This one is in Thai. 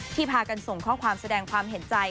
พากันส่งข้อความแสดงความเห็นใจ